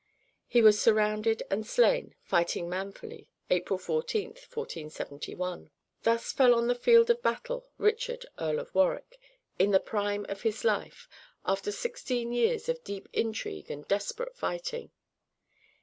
He was surrounded and slain, fighting manfully, April 14, 1471. Thus fell on the field of battle Richard, Earl of Warwick, in the prime of his life, after sixteen years of deep intrigue and desperate fighting.